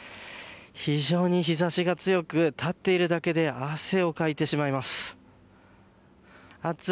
非常に日差しが強く立っているだけで汗をかいてしまいます。